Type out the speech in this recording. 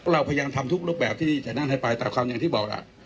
เราพยายามทำทุกรูปแบบที่จะนั่งให้ไปแต่ความอย่างที่บอกล่ะ